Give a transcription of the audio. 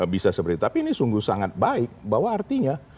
bisa seperti itu tapi ini sungguh sangat baik bahwa artinya